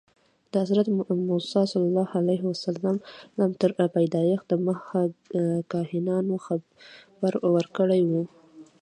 د حضرت موسی علیه السلام تر پیدایښت دمخه کاهنانو خبر ورکړی و.